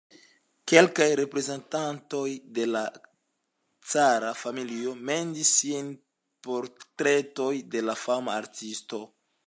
Kelkaj reprezentantoj de la cara familio mendis siajn portretojn de la fama artisto.